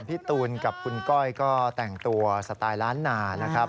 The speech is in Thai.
พี่ตูนกับคุณก้อยก็แต่งตัวสไตล์ล้านนานะครับ